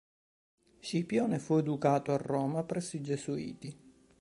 Scipione fu educato a Roma presso i Gesuiti.